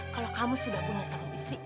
kalau kamu sudah punya tanggung istri